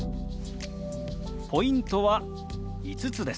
ポイントは５つです。